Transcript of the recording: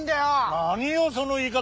何よその言い方。